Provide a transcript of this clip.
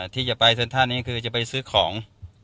ที่จะไปเซนทาส์นี่ก็คือจะไปซื้อของ